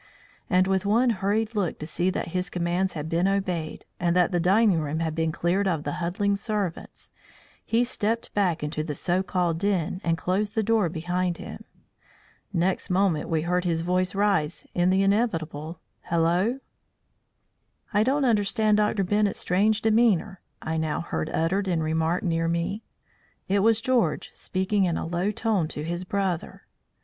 And with one hurried look to see that his commands had been obeyed, and that the dining room had been cleared of the huddling servants, he stepped back into the so called den and closed the door behind him. Next moment we heard his voice rise in the inevitable "Hallo!" "I don't understand Dr. Bennett's strange demeanour," I now heard uttered in remark near me. It was George speaking in a low tone to his brother.